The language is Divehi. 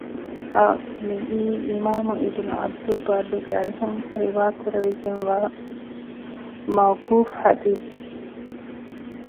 އަށް މިއީ އިމާމު އިބްނު ޢަބްދުލްބައްރުގެ އަރިހުން ރިވާކުރެވިގެންވާ މައުޤޫފު ޙަދީޘެއް